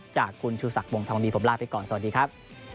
จากคุณชูศักดิวงทองดีผมลาไปก่อนสวัสดีครับ